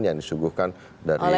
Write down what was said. yang disuguhkan dari